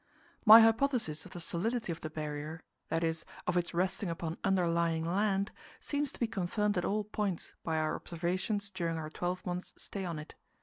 My hypothesis of the solidity of the Barrier that is, of its resting upon underlying land seems to be confirmed at all points by our observations during our twelve months' stay on it.